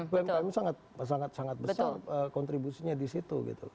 umkm sangat sangat besar kontribusinya di situ